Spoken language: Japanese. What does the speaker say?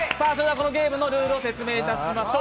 このゲームのルールを説明いたしましょう。